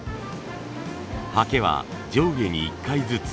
ハケは上下に１回ずつ。